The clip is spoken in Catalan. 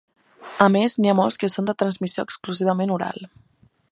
A més n'hi ha molts que són de transmissió exclusivament oral.